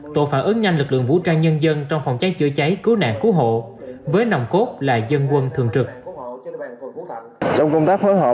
tổ phản ứng nhanh lực lượng vũ trang nhân dân trong phòng cháy chữa cháy cứu nạn cứu hộ